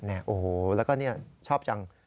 โอ้โหแล้วก็นี่ชอบจัง